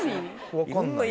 分かんない。